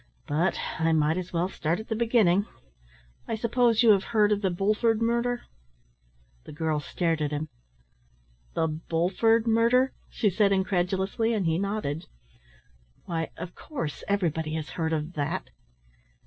But I might as well start at the beginning. I suppose you have heard of the Bulford murder?" The girl stared at him. "The Bulford murder?" she said incredulously, and he nodded. "Why, of course, everybody has heard of that."